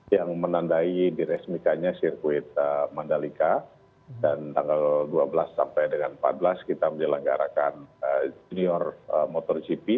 yang menandai diresmikannya sirkuit mandalika dan tanggal dua belas sampai dengan empat belas kita menyelenggarakan junior motor gp